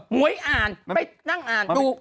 หวยอ่านไปนั่งอ่านดู